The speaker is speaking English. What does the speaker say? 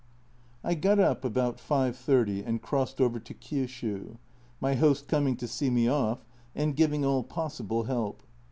I got up about 5.30, and crossed over to Kiushiu my host coming to see me off and giving all possible help.